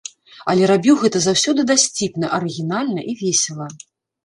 Але рабіў гэта заўсёды дасціпна, арыгінальна і весела.